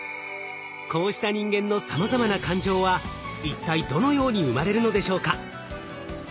こうした人間のさまざまな感情は一体どのように生まれるのでしょうか？